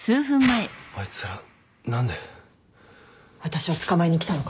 あいつら何で？私を捕まえに来たのかも